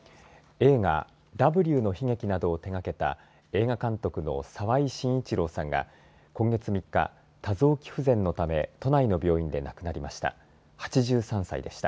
映画、Ｗの悲劇などを手がけた映画監督の澤井信一郎さんが今月３日、多臓器不全のため、都内の病院で亡くなりました。